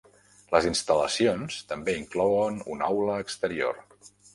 Les instal·lacions també inclouen un aula exterior.